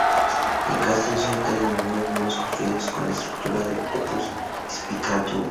Del castillo sólo quedan algunos muros construidos con una estructura de "opus spicatum".